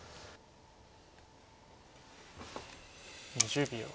２０秒。